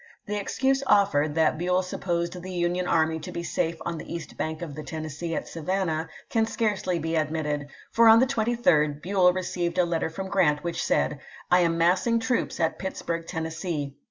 The excuse offered, that Buell supposed the Union army to be safe on the east bank of the Tennessee at Savannah, can scarcely be admitted ; for on the 23d Buell received a letter from Grrant which said : "I am massing troops at Pittsburg, Tennessee.